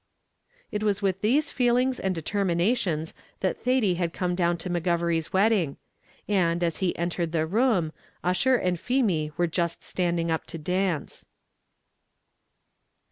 It was with these feelings and determinations that Thady had come down to McGovery's wedding; and, as he entered the room, Ussher and Feemy were just standing up to dance.